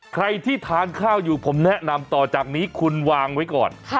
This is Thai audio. ใครที่ทานข้าวอยู่ผมแนะนำต่อจากนี้คุณวางไว้ก่อน